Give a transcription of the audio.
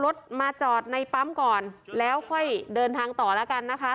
รถมาจอดในปั๊มก่อนแล้วค่อยเดินทางต่อแล้วกันนะคะ